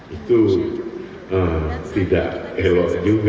itu tidak elok juga